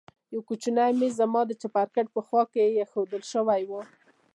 يو کوچنى ميز زما د چپرکټ په خوا کښې ايښوول سوى و.